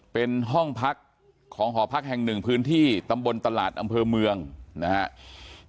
เป็นห้องพักของหอพักแห่งหนึ่งพื้นที่ตำบลตลาดอำเภอเมืองนะครับ